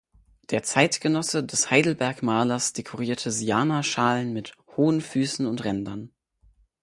Der Zeitgenosse des Heidelberg-Malers dekorierte Siana-Schalen mit hohen Füßen und Rändern.